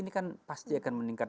ini kan pasti akan meningkat